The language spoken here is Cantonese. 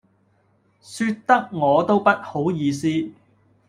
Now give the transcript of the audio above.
說得我都不好意思